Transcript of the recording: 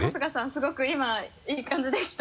すごく今いい感じでした。